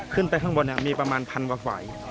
ขึ้นไปข้างบนมีประมาณพันกว่าฝ่าย